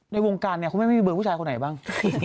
ในวงการเนี่ยคุณแม่ไม่มีเบอร์ผู้ชายคนไหนบ้าง